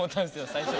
最初。